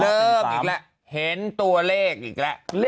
เริ่มอีกแล้วเห็นตัวเลขอีกแล้ว